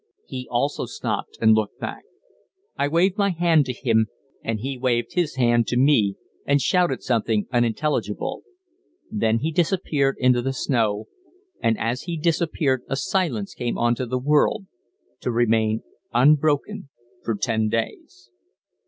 He also stopped and looked back. I waved my hand to him, and he waved his hand to me and shouted something unintelligible. Then he disappeared in the snow, and as he disappeared a silence came on the world, to remain unbroken for ten days.